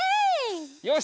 よし！